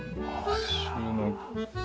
収納。